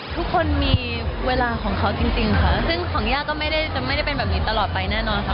ทุกคนมีเวลาของเขาจริงค่ะซึ่งของย่าก็ไม่ได้จะไม่ได้เป็นแบบนี้ตลอดไปแน่นอนค่ะ